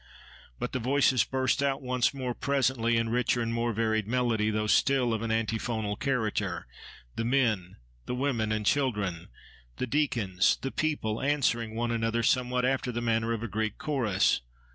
But the voices burst out once more presently, in richer and more varied melody, though still of an antiphonal character; the men, the women and children, the deacons, the people, answering one another, somewhat after the manner of a Greek chorus.